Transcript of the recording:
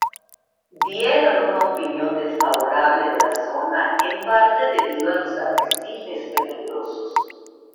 Dieron una opinión desfavorable de la zona en parte debido a los arrecifes peligrosos.